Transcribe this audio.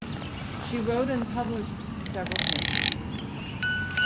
She wrote and published several hymns.